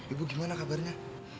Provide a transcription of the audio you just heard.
ibu gimana kabarnya